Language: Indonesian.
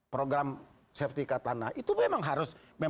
program sertifikat tanah itu memang harus